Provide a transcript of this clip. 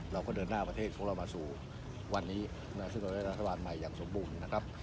เราก็เดินหน้าประเทศของเรามาสู่วันนี้ซึ่งเราได้รัฐบาลใหม่อย่างสมบูรณ์นะครับ